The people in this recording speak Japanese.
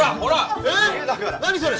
何それ？